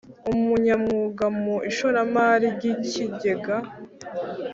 Umunyamwuga mu ishoramari ry ikigega